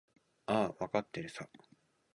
ああ、わかってるさ。